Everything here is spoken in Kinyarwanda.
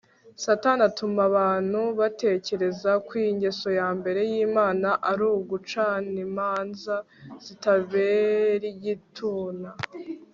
Satani atumabantu batekereza kw ingeso ya mbere ylmana arugucanimanza zitaberigituna